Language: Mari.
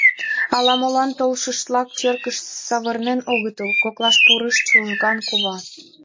— Ала-молан толшыштлак черкыш савырнен огытыл, — коклаш пурыш Чужган кува.